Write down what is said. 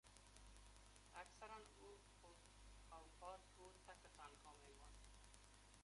اکثر اوقات او تک و تنها میماند.